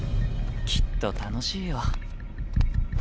きっと楽しいよ。